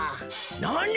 なに！？